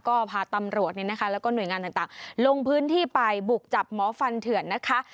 ก็พาตำรวจแล้วก็หน่วยงานต่างลงพื้นที่ไปบุกจับหมอฟันเถื่อนนะคะ